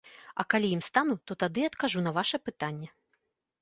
А калі ім стану, то тады адкажу на ваша пытанне.